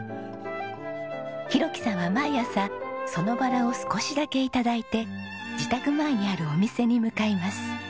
浩樹さんは毎朝そのバラを少しだけ頂いて自宅前にあるお店に向かいます。